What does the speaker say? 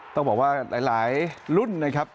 ต้องบอกว่าหลายรุ่นนะครับ